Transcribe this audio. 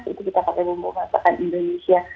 itu kita pakai bumbu masakan indonesia